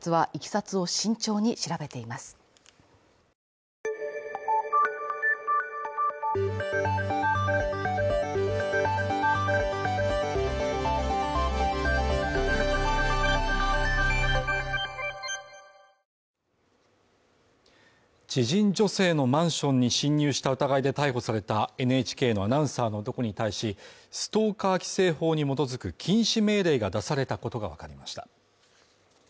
一方先月、戸田市に隣接するさいたま市の公園などで猫の死骸が知人女性のマンションに侵入した疑いで逮捕されたＮＨＫのアナウンサーの男に対しストーカー規制法に基づく禁止命令が出されたことがわかりました。